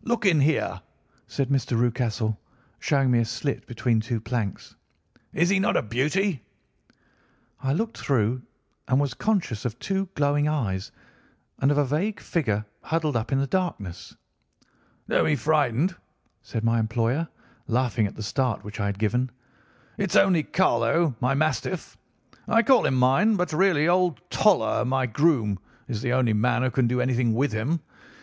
"'Look in here!' said Mr. Rucastle, showing me a slit between two planks. 'Is he not a beauty?' "I looked through and was conscious of two glowing eyes, and of a vague figure huddled up in the darkness. "'Don't be frightened,' said my employer, laughing at the start which I had given. 'It's only Carlo, my mastiff. I call him mine, but really old Toller, my groom, is the only man who can do anything with him.